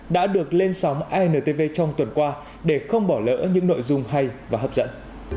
đã được lên sóng intv trong tuần qua để không bỏ lỡ những nội dung hay và hấp dẫn